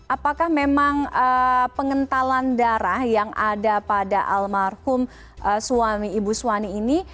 apakah memang pengentalan darah yang ada pada almarhum suami ibu suwani ini